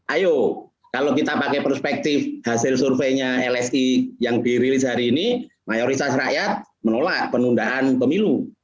ayo kalau kita pakai perspektif hasil surveinya lsi yang dirilis hari ini mayoritas rakyat menolak penundaan pemilu